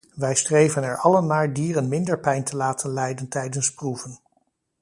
Wij streven er allen naar dieren minder pijn te laten lijden tijdens proeven.